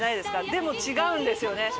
でも違うんですよね。